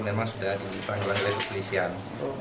memang sudah dihitung oleh polisian